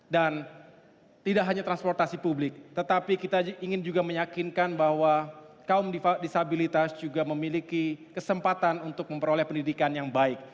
dan tidak hanya transportasi publik tetapi kita juga ingin menyakinkan bahwa kaum disabilitas juga memiliki kesempatan untuk memperoleh pendidikan yang baik